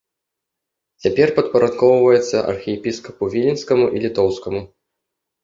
Цяпер падпарадкоўваецца архіепіскапу віленскаму і літоўскаму.